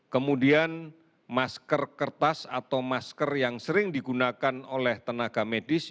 kemudian masker kertas atau masker yang sering digunakan oleh tenaga medis